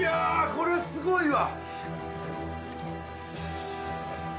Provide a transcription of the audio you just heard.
これはすごいわ。